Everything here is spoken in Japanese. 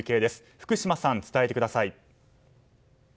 福島さん、伝えてください。